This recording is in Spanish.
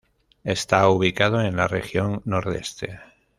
Está ubicado en la región nordeste.